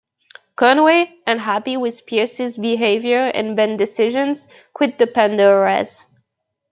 Conway, unhappy with Pierce's behavior and band decisions, quit The Pandoras.